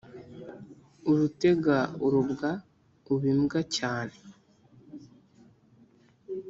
Urutega urubwa uba imbwa cyane